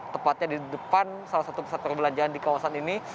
tepatnya di depan salah satu pusat perbelanjaan di kawasan ini